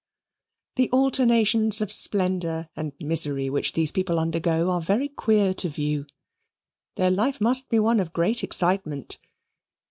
The alternations of splendour and misery which these people undergo are very queer to view. Their life must be one of great excitement.